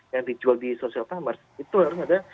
yang dijual di social commerce itu harus ada